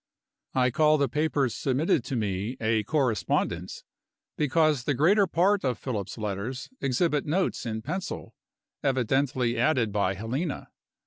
I call the papers submitted to me a correspondence, because the greater part of Philip's letters exhibit notes in pencil, evidently added by Helena.